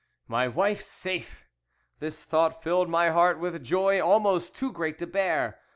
"My wife safe! this thought filled my heart with joy almost too great to bear.